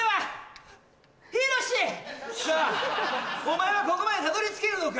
お前はここまでたどり着けるのか？